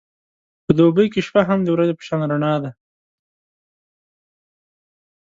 په دوبی کې شپه هم د ورځې په شان رڼا ده.